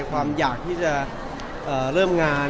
ความอยากเริ่มงาน